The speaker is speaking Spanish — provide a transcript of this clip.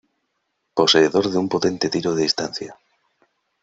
Poseedor de un potente tiro de distancia.